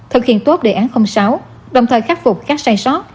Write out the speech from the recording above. thực hiện tốt đề án sáu đồng thời khắc phục các sai sót